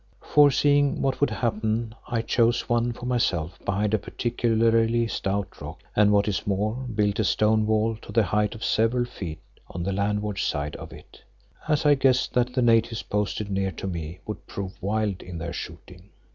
Foreseeing what would happen, I chose one for myself behind a particularly stout rock and what is more, built a stone wall to the height of several feet on the landward side of it, as I guessed that the natives posted near to me would prove wild in their shooting.